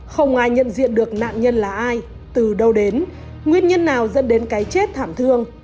không ai nhận diện được nạn nhân là ai từ đâu đến nguyên nhân nào dẫn đến cái chết thảm thương